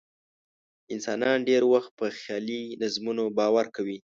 انسانان ډېری وخت په خیالي نظمونو باور کوي.